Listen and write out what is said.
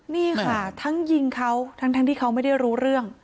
นี่ค่ะทั้งยิงเขาทั้งที่เขาไม่ได้รู้เรื่อง